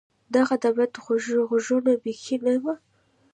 د هغه د بدن غوږونه بیخي نه وو